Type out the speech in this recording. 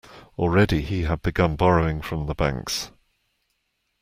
Already he had begun borrowing from the banks.